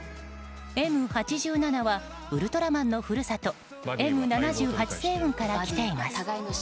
「Ｍ八七」はウルトラマンの故郷Ｍ７８星雲から来ています。